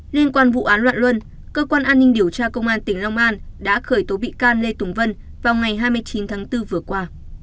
liên quan vụ án loạn luân cơ quan an ninh điều tra công an tỉnh long an đã khởi tố bị can lê tùng vân vào ngày hai mươi chín tháng bốn vừa qua